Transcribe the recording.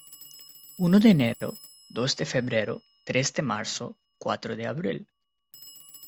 Uno de enero, dos de febrero, tres de marzo, cuatro de abril.